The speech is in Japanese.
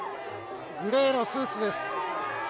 グレーのスーツです。